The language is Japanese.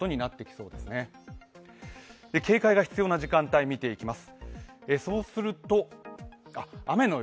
雨と風の警戒が必要な時間帯を見ていきます。